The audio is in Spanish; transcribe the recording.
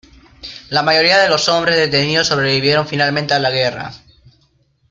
La mayoría de los hombres detenidos sobrevivieron finalmente a la guerra.